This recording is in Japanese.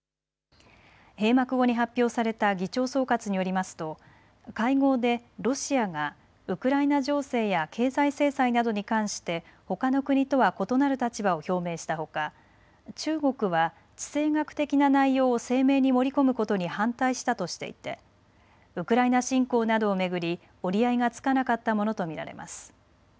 閉幕後に発表された議長総括によりますと会合でロシアがウクライナ情勢や経済制裁などに関してほかの国とは異なる立場を表明したほか中国は地政学的な内容を声明に盛り込むことに反対したとしていてウクライナ侵攻などを巡り折り合いがつかなかったものと見られます。